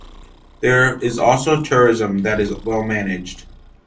There is also tourism that is well managed.